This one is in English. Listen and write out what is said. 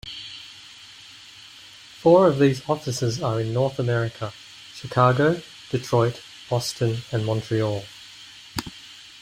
Four of these offices are in North America: Chicago, Detroit, Boston and Montreal.